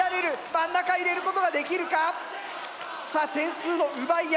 真ん中入れることはできるか⁉さあ点数の奪い合い。